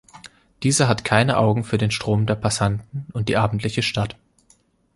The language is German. Dieser hat keine Augen für den Strom der Passanten und die abendliche Stadt.